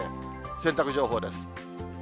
洗濯情報です。